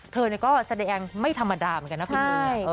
เธอเนี่ยก็แสดงไม่ธรรมดาเหมือนกันนะฝีมือ